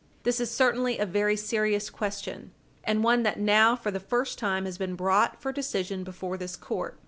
This is certainly a very serious question, and one that now for the first time has been brought for decision before this court.